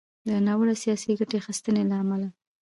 د ناوړه “سياسي ګټې اخيستنې” له امله